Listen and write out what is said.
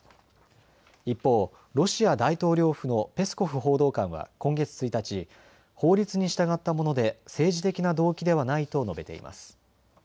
一方、ロシア大統領府のペスコフ報道官は今月１日、法律に従ったもので政治的な動機ではないと述べています。